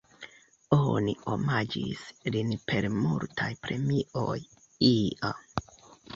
Oni omaĝis lin per multaj premioj, ia.